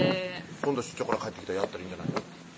今度出張から帰ってきたらやったらいいんじゃないの？